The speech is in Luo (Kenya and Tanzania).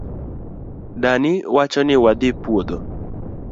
Dani wacho ni wadhi puodho.